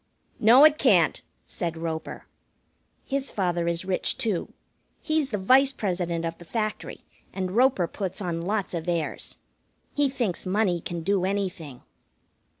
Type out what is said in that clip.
"No, it can't!" said Roper. His father is rich, too. He's the Vice President of the Factory, and Roper puts on lots of airs. He thinks money can do anything.